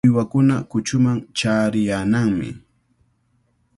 Uywakuna quchaman chaariyannami.